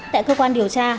tại cơ quan điều tra